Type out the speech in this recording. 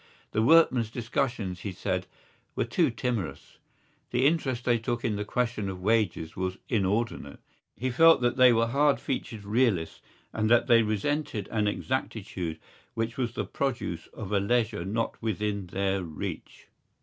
The workmen's discussions, he said, were too timorous; the interest they took in the question of wages was inordinate. He felt that they were hard featured realists and that they resented an exactitude which was the produce of a leisure not within their reach.